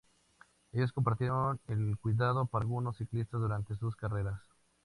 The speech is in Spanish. Ellos compartieron el cuidado para algunos ciclistas durante sus carreras.